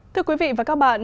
thưa quý vị và các bạn